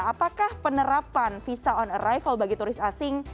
apakah penerapan visa on arrival bagi turis asing